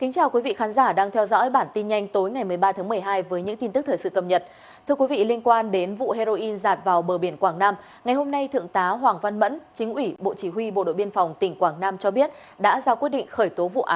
cảm ơn các bạn đã theo dõi